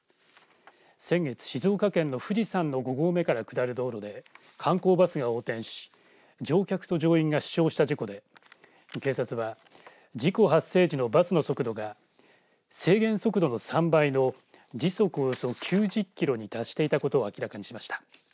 先月、静岡県の富士山の５合目から下る道路で観光バスが横転し乗客と乗員が死傷した事故で警察は事故発生時のバスの速度が制限速度の３倍の時速およそ９０キロに達していたことを明らかにしました。